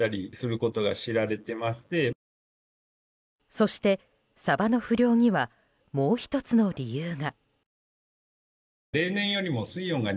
そして、サバの不漁にはもう１つの理由が。